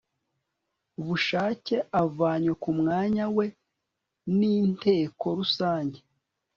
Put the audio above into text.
bushake avanywe ku mwanya we n Inteko Rusange